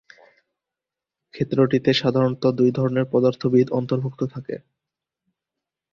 ক্ষেত্রটিতে সাধারণত দুই ধরনের পদার্থবিদ অন্তর্ভুক্ত থাকে।